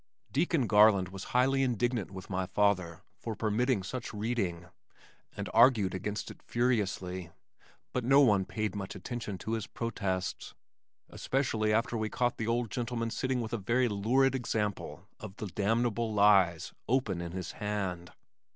Deacon Garland was highly indignant with my father for permitting such reading, and argued against it furiously, but no one paid much attention to his protests especially after we caught the old gentleman sitting with a very lurid example of "The Damnable Lies" open in his hand.